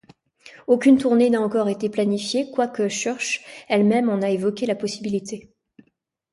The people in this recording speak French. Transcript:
Aucune tournée n'a encore été planifiée, quoique Church elle-même en a évoqué la possibilité.